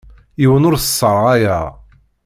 Yiwen ur t-sserɣayeɣ.